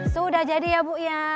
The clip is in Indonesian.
sudah jadi ya bu ya